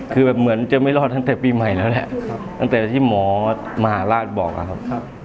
คือแบบเหมือนจะไม่รอดตั้งแต่ปีใหม่แล้วแหละตั้งแต่ที่หมอมหาราชบอกนะครับ